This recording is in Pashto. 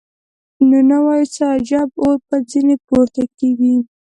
نو وای څه عجب اور به ځینې پورته کېږي.